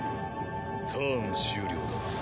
ターン終了だ。